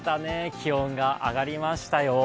気温が上がりましたよ。